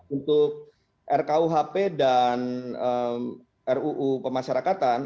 untuk rkuhp dan ruu pemasyarakatan